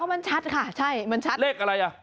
มันชัดค่ะใช่มันชัดเลขอะไรอ่ะ